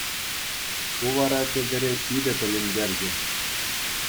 Ку вара Петӗре питӗ тӗлӗнтерчӗ.